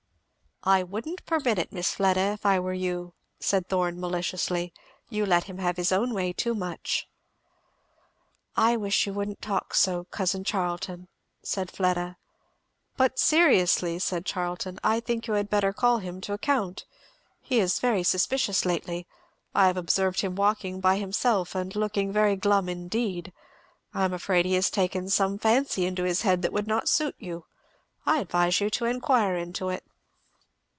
"I wouldn't permit it, Miss Fleda, if I were you," said Thorn maliciously. "You let him have his own way too much." "I wish you wouldn't talk so, cousin Charlton!" said Fleda. "But seriously," said Charlton, "I think you had better call him to account. He is very suspicious lately. I have observed him walking by himself and looking very glum indeed. I am afraid he has taken some fancy into his head that would not suit you. I advise you to enquire into it."